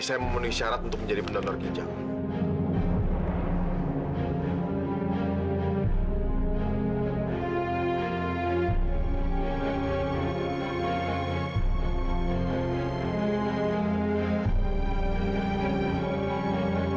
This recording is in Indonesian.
saya memenuhi syarat untuk menjadi pendonor ginjal